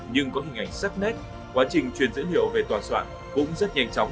nhưng có hình ảnh sắc nét quá trình truyền dữ liệu về tòa soạn cũng rất nhanh chóng